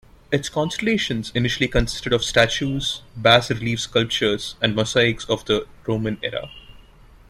Its collections initially consisted of statues, bas-relief sculptures and mosaics of the Roman era.